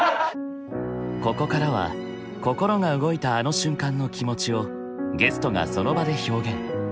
ここからは心が動いたあの瞬間の気持ちをゲストがその場で表現。